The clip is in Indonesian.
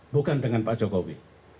bukan dengan pak jokowi